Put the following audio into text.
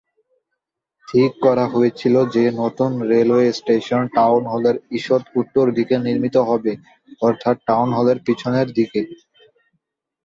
ঠিক করা হয়েছিল যে নতুন রেলওয়ে স্টেশন টাউন হলের ঈষৎ উত্তর দিকে নির্মিত হবে; অর্থাৎ টাউন হলের পিছনের দিকে।